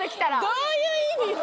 どういう意味？